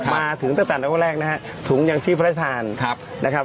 มาถึงตั้งแต่ละครั้งแรกนะครับถุงยังที่พระราชทานนะครับ